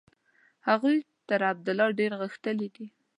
هغوی تر عبدالله ډېر غښتلي دي.